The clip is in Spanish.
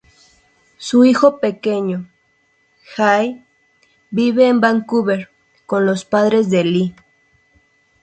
Su hijo pequeño, Jay, vive en Vancouver con los padres de Lee.